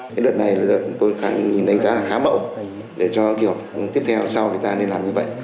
cái đợt này là đợt tôi khẳng nhìn đánh giá là khá mậu để cho kiểu tiếp theo sau người ta nên làm như vậy